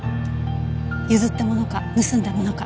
譲ったものか盗んだものか